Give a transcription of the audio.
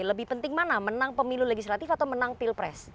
lebih penting mana menang pemilu legislatif atau menang pilpres